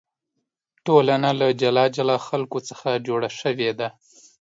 ټولنه له جلا جلا خلکو څخه جوړه شوې ده.